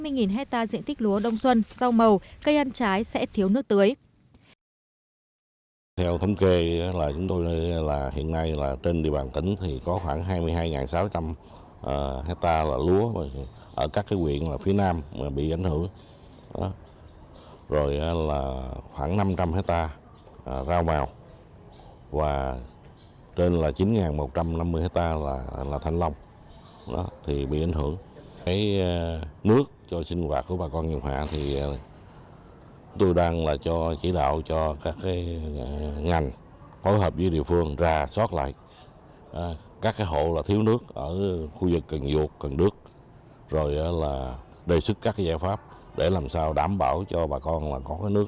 nhìn hectare diện tích lúa đông xuân rau màu cây ăn trái sẽ thiếu nước tưới